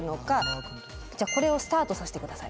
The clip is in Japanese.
じゃあこれをスタートさせて下さい。